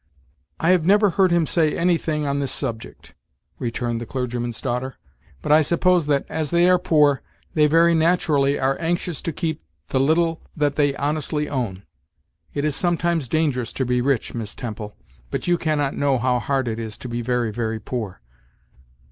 "I have never heard him say anything on this subject," returned the clergyman's daughter; "but I suppose that, as they are poor, they very naturally are anxious to keep the little that they honestly own. It is sometimes dangerous to be rich, Miss Temple; but you cannot know how hard it is to be very, very poor."